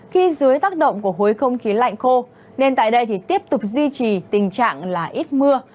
khi dưới tác động của khối không khí lạnh khô nên tại đây thì tiếp tục duy trì tình trạng là ít mưa